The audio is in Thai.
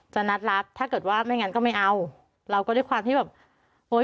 นัดรักถ้าเกิดว่าไม่งั้นก็ไม่เอาเราก็ด้วยความที่แบบโอ้ย